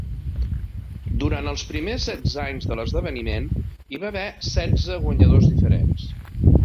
Durant els primers setze anys de l'esdeveniment, hi va haver setze guanyadors diferents.